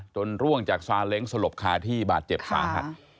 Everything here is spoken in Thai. จนร่วงจากซานเล้งสลบคาที่บาดเจ็บขา